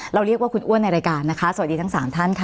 เรียกว่าคุณอ้วนในรายการนะคะสวัสดีทั้งสามท่านค่ะ